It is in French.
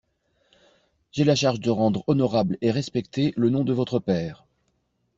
J'ai la charge de rendre honorable et respecté le nom de votre père.